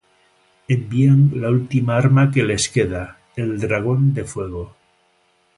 Envían la última arma que les queda: el dragón de fuego.